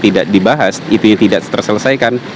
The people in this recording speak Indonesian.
tidak dibahas itu tidak terselesaikan